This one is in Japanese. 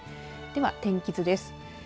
では天気図です。